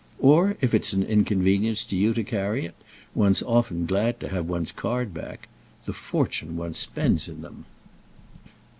Or if it's an inconvenience to you to carry it, one's often glad to have one's card back. The fortune one spends in them!"